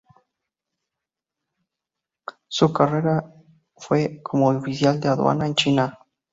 Su carrera fue como oficial de aduana en China.